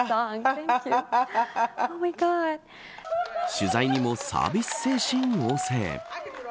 取材にもサービス精神旺盛。